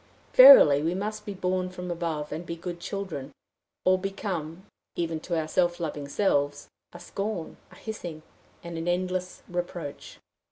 Verily we must be born from above, and be good children, or become, even to our self loving selves, a scorn, a hissing, and an endless reproach.